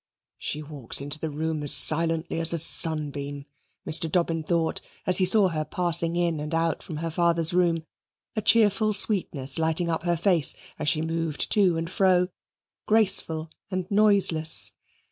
"She walks into the room as silently as a sunbeam," Mr. Dobbin thought as he saw her passing in and out from her father's room, a cheerful sweetness lighting up her face as she moved to and fro, graceful and noiseless.